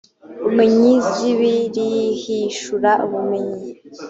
ubumenyi zb rihishura ubumenyi